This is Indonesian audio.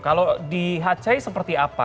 kalau di hacai seperti apa